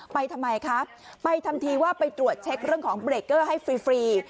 ไปทำไมคะไปทำทีว่าไปตรวจเช็คเรื่องของเบรกเกอร์ให้ฟรี